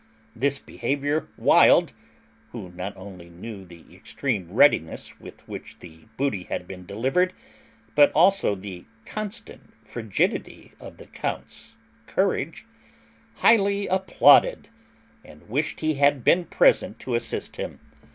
This behaviour Wild, who not only knew the extreme readiness with which the booty had been delivered, but also the constant frigidity of the count's courage, highly applauded, and wished he had been present to assist him.